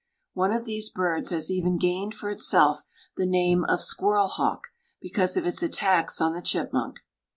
One of these birds has even gained for itself the name of squirrel hawk, because of its attacks on the chipmunk."